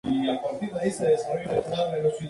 Grêmio fue eliminado en la semifinal por penales.